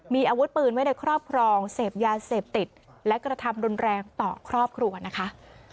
มีอาวุธปืนไว้ในครอบครองเสพยาเสพติดและกระทำรุนแรงต่อครอบครัวนะคะ